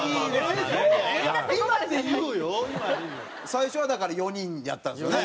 最初はだから４人やったんですよね。